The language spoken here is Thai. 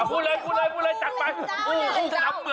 พูดเลยจับไป